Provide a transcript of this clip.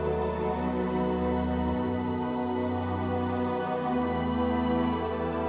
algun saling menunggu